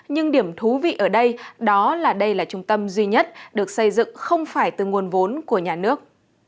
nhưng điểm thú vị ở đây đó là đây là trung tâm duy nhất được xây dựng không phải từ nguồn vốn của nhà nước